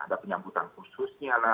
ada penyambutan khususnya lah